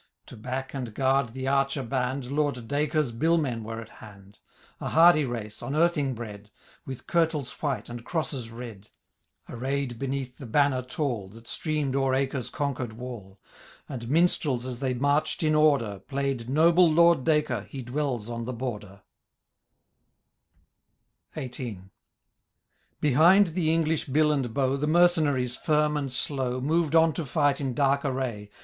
To back and guard tiie archer band. Lord Dacre*s bill men were at hand : A hardy race, on Irthing bred. With kirtles white, and crosses red, Array'd beneath the banner tall. That streamed o^er Acre^s conquered wall ; And minstrels, as they marched in order, Play'd, " Noble Lord Dacre, he dwells on the Border * XVIII. Behind the English bill and bow. The mercenaries, firm and slow, Moved on to fight in dark array.